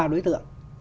ba đối tượng